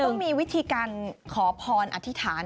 เราก็ต้องมีวิธีการขอพรอธิษฐาน